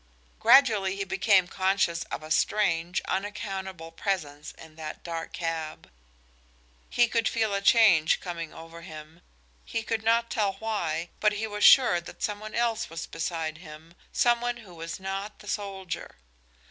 Gradually he became conscious of a strange, unaccountable presence in that dark cab. He could feel a change coming over him; he could not tell why, but he was sure that some one else was beside him, some one who was not the soldier.